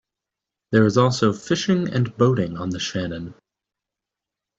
There is also fishing and boating on the Shannon.